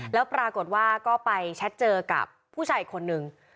แล้วปรากฏว่าก็ไปแชทเจอกับผู้ชายอีกคนนึง